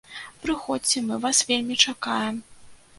Прыходзьце, мы вас вельмі чакаем!